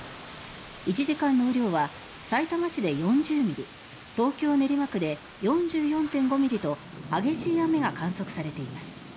１時間の雨量はさいたま市で４０ミリ東京・練馬区で４４．５ミリと激しい雨が観測されています。